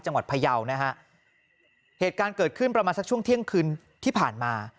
พยาวนะฮะเหตุการณ์เกิดขึ้นประมาณสักช่วงเที่ยงคืนที่ผ่านมา